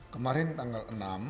kemarin tanggal enam